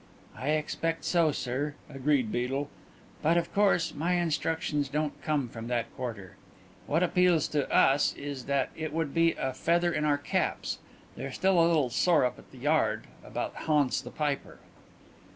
"I expect so, sir," agreed Beedel, "but, of course, my instructions don't come from that quarter. What appeals to us is that it would be a feather in our caps they're still a little sore up at the Yard about Hans the Piper."